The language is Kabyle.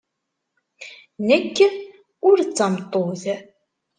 Nekk ur d tameṭṭut.